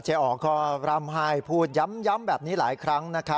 เจ้าแอ๋อก็รำหายพูดยัมแบบนี้หลายครั้ง